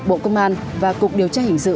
bộ công an và cục điều tra hình sự